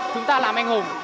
chúng ta làm anh hùng